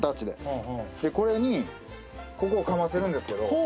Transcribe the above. でこれにここかませるんですけど。